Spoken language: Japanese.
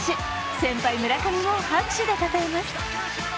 先輩・村上も拍手でたたえます。